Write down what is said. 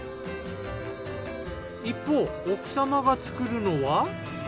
一方奥様が作るのは。